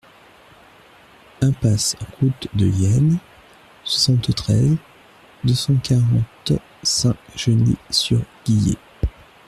Impasse Route de Yenne, soixante-treize, deux cent quarante Saint-Genix-sur-Guiers